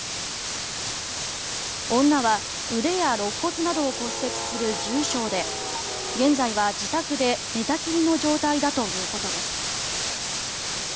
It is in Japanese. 女は腕やろっ骨などを骨折する重傷で現在は自宅で寝たきりの状態だということです。